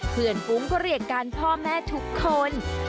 เพื่อนปุ๋มเขาเรียกกันพ่อแม่ทุกคน